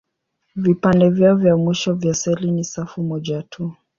Vipande vyao vya mwisho vya seli ni safu moja tu.